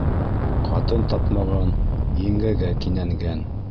Ҡатын тапмаған еңгәгә кинәнгән.